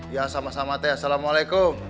ya sama sama teh assalamualaikum